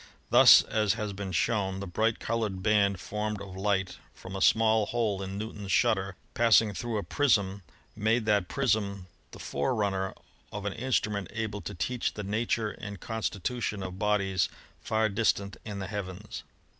Thus, as has been shown, the bright colored band formed of light from a small hole in Newton's shut ter passing through a prism made that prism the forerun ner of an instrument able to teach the nature and constitu tion of bodies far distant in the heavens.